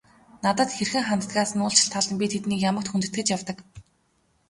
Надад хэрхэн ханддагаас нь үл шалтгаалан би тэднийг ямагт хүндэтгэж явдаг.